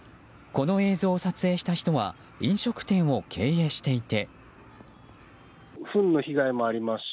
この映像を撮影した人は飲食店を経営していて。